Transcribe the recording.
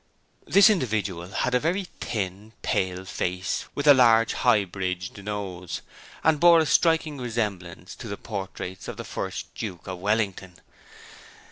This individual had a very thin, pale face, with a large, high bridged nose, and bore a striking resemblance to the portraits of the first Duke of Wellington.